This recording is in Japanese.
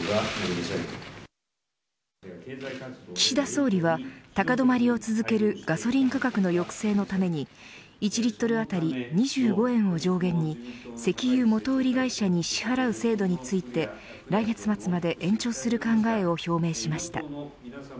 岸田総理は、高止まりを続けるガソリン価格の抑制のために１リットル当たり２５円を上限に石油元売り会社に支払う制度について来月末まで延長する考えを表明しました。